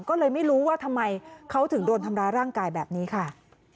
ก็เลยไม่รู้ว่าทำไมเขาถึงโดนทำร้ายร่างกายแบบนี้ค่ะ